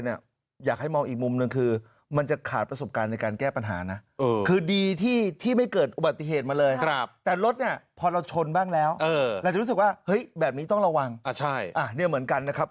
นี่เหมือนกันนะครับคุณผู้ชมครับ